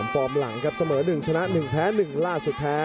ฟอร์มหลังครับเสมอ๑ชนะ๑แพ้๑ล่าสุดแพ้